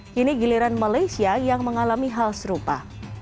kini giliran malaysia yang mengalami hal serupa